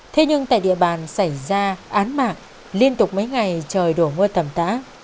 thế nhưng tại địa bàn xảy ra án mạng liên tục mấy ngày trời đổ mưa tầm tã